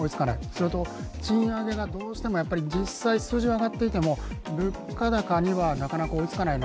それと、賃上げがどうしても実際数字は上がっていても物価高には、なかなか追いつかない。